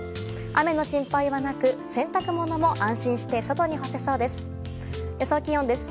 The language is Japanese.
雨の心配はなく、洗濯物も安心して外に干せそうです。